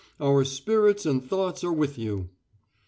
Our spirits and thoughts are with you."